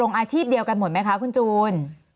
อาชีพเดียวกันหมดไหมคะคุณจูน